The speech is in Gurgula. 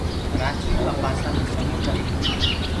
ڪرآچيو ڪآ پآسآ مي سمونٚدر هي